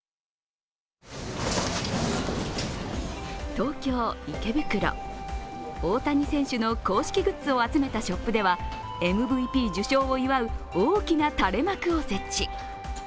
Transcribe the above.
東京・池袋、大谷選手の公式グッズを集めたショップではＭＶＰ受賞を祝う大きな垂れ幕を設置。